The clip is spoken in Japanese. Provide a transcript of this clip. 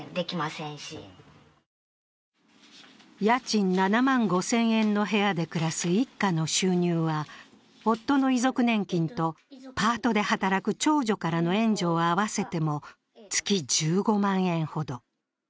家賃７万５０００円の部屋で暮らす一家の収入は夫の遺族年金とパートで働く長女からの援助を合わせても月１５万円ほど。